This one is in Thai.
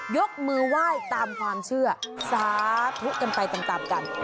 ยกมือไหว้ตามความเชื่อสาธุกันไปตามกัน